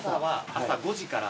朝５時から？